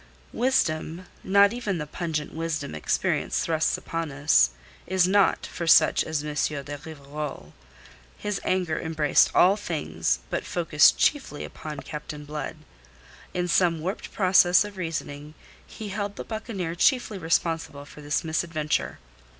Wisdom not even the pungent wisdom experience thrusts upon us is not for such as M. de Rivarol. His anger embraced all things, but focussed chiefly upon Captain Blood. In some warped process of reasoning he held the buccaneer chiefly responsible for this misadventure.